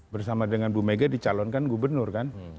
bersama dengan bu mega dicalon kan gubernur kan